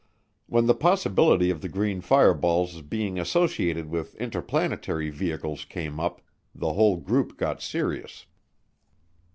When the possibility of the green fireballs' being associated with interplanetary vehicles came up, the whole group got serious.